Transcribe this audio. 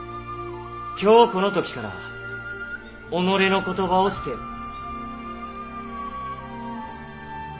今日この時から「己のことばを捨てよ」。